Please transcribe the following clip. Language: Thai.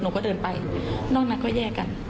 หนูก็เดินไปนอกนั้นก็แยกกัน